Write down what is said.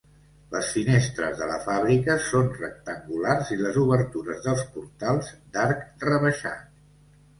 Les finestres de la fàbrica són rectangulars i les obertures dels portals d'arc rebaixat.